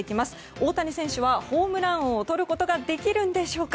大谷選手はホームラン王をとることができるんでしょうか。